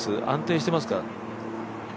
安定してますか？